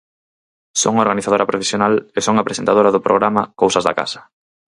Son organizadora profesional e son a presentadora do programa Cousas da casa.